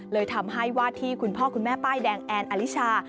เลยทำให้ว่าที่คุณพ่อคุณแม่ป้ายแดงแอนอลิชา